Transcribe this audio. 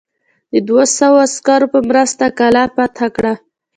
د دوه سوه عسکرو په مرسته قلا فتح کړه.